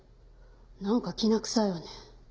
なんかきな臭いわね。